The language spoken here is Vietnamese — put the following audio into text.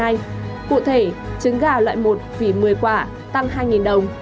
cụ thể trứng gà loại một vì một mươi quả tăng hai đồng